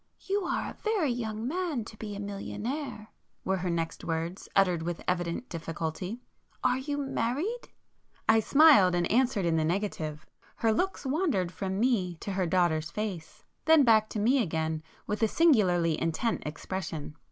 "You are a very young man to be a millionaire,"—were her next words, uttered with evident difficulty—"Are you married?" I smiled, and answered in the negative. Her looks wandered from me to her daughter's face,—then back to me again with a singularly intent expression.